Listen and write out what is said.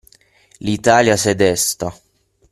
L’Italia s’è desta.